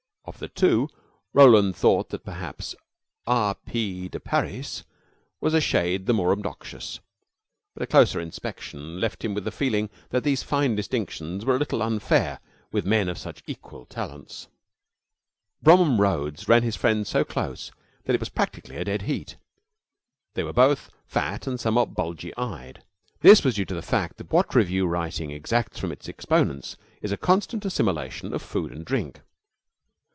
Of the two, Roland thought that perhaps R. P. de Parys was a shade the more obnoxious, but a closer inspection left him with the feeling that these fine distinctions were a little unfair with men of such equal talents. Bromham Rhodes ran his friend so close that it was practically a dead heat. They were both fat and somewhat bulgy eyed. This was due to the fact that what revue writing exacts from its exponents is the constant assimilation of food and drink.